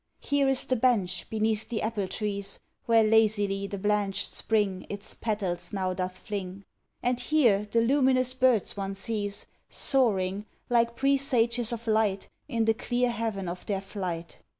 Here is the bench beneath the apple trees Where lazily the blanched spring Its petals now doth fling. And here the luminous birds one sees Soaring, like presages of light, In the clear heaven of their flight.